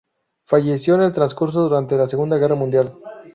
Falleció en el transcurso durante la Segunda Guerra Mundial.